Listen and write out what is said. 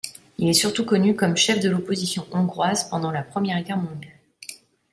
Il est surtout connu comme chef de l'opposition hongroise pendant la Première Guerre mondiale.